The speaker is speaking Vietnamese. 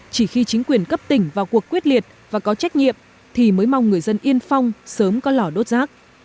chỉ khi chính quyền cấp tỉnh vào cuộc quyết liệt và có trách nhiệm thì mới mong người dân yên phong sớm có lò đốt rác